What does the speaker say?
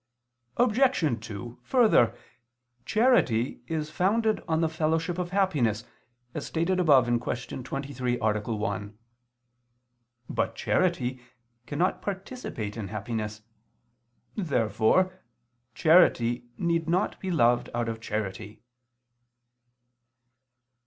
Obj. 2: Further, charity is founded on the fellowship of happiness, as stated above (Q. 23, A. 1). But charity cannot participate in happiness. Therefore charity need not be loved out of charity.